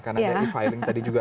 karena ada e filing tadi juga